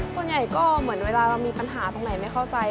ส่วนใหญ่ก็เหมือนเวลาเรามีปัญหาตรงไหนไม่เข้าใจ